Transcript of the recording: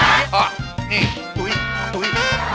อ้าวนี่อุ๊ย